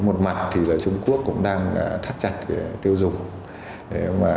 một mặt thì trung quốc cũng đang thắt chặt tiêu dùng